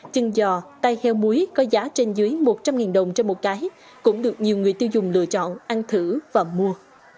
chân giò tay heo muối có giá trên dưới một trăm linh đồng trên một cái cũng được nhiều người tiêu dùng lựa chọn ăn thử và mua